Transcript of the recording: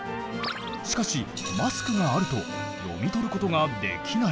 しかしマスクがあると読み取ることができない。